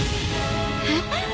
えっ！？